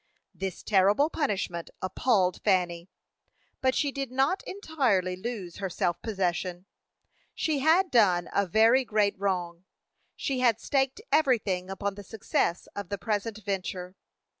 This terrible punishment appalled Fanny, but she did not entirely lose her self possession. She had done a very great wrong; she had staked everything upon the success of the present venture.